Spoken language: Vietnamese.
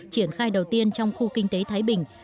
triển khai đầu tiên trong khu kinh tế thái bình